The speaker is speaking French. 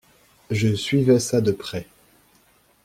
Je suivais ça de près.